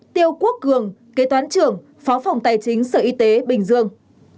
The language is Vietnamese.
tiêu quốc cường kế toán trưởng phó phòng tài chính sở y tế bình dương